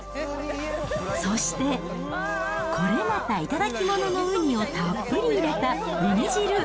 そして、これまた頂き物のウニをたっぷり入れたウニ汁。